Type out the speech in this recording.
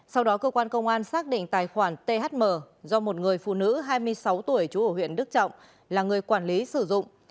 sau đó cơ quan công an xác định tài khoản thm do một người phụ nữ hai mươi sáu tuổi chú ở huyện đức trọng là người quản lý sử dụng